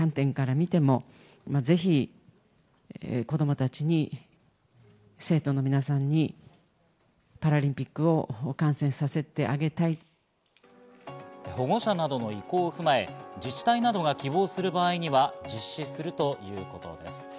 実施の理由について橋本会長は。保護者などの意向を踏まえ自治体などが希望する場合には実施するということです。